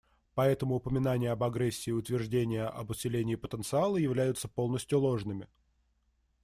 Поэтому упоминания об агрессии и утверждения об усилении потенциала являются полностью ложными.